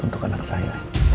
untuk anak saya